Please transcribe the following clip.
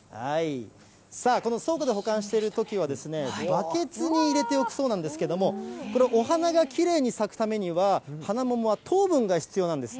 この倉庫で保管しているときには、バケツに入れておくそうなんですけども、これ、お花がきれいに咲くためには、花桃は糖分が必要なんですね。